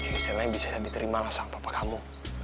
ya selain bisa diterima lah sama papa kamu